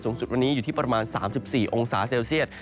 สุดวันนี้อยู่ที่ประมาณ๓๔องศาเซลเซียต